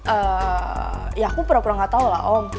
eh ya aku pura pura gak tau lah om